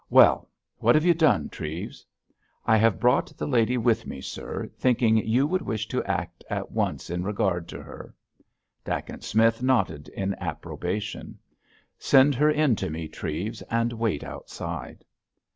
"Well, what have you done, Treves?" "I have brought the lady with me, sir, thinking you would wish to act at once in regard to her." Dacent Smith nodded in approbation. "Send her in to me, Treves, and wait outside."